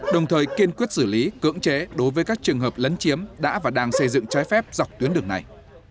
đồng thời kiên quyết xử lý cưỡng chế đối với các trường hợp lấn chiếm đã và đang xây dựng trái phép dọc tuyến đường này